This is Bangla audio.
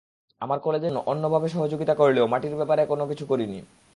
আমরা কলেজের জন্য অন্যভাবে সহযোগিতা করলেও মাটির ব্যাপারে কোনো কিছু করিনি।